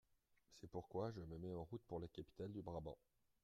C'est pourquoi je me mets en route pour la capitale du Brabant.